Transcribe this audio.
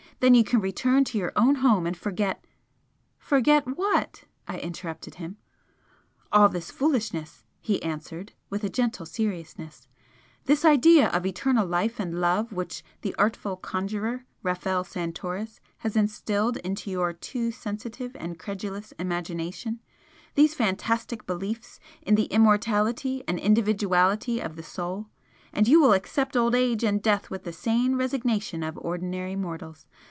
Then you can return to your own home and forget " "Forget what?" I interrupted him. "All this foolishness" he answered, with a gentle seriousness "This idea of eternal life and love which the artful conjurer Rafel Santoris has instilled into your too sensitive and credulous imagination these fantastic beliefs in the immortality and individuality of the soul, and you will accept old age and death with the sane resignation of ordinary mortals.